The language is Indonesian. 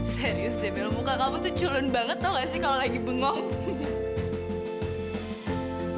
serius debil muka kamu tuh culun banget tau nggak sih kalau lagi bengong